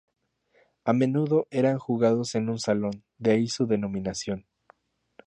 A menudo eran jugados en un salón, de ahí su denominación.